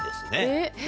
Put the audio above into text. えっ！